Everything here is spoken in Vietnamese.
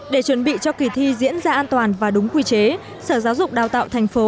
để chuẩn bị cho kỳ thi diễn ra an toàn và đúng quy chế sở giáo dục đào tạo thành phố